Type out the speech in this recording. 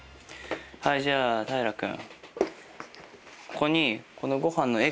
はいじゃあ大樂君。